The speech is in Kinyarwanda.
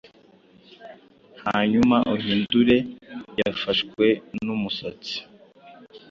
hanyuma uhindure Yafashwe numusatsi